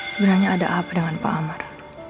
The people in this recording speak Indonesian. sebenarnya ada up dengan pak amar